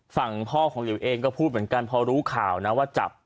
ฝั่งพ่อของหลิวเองก็พูดเหมือนกันพอรู้ข่าวนะว่าจับ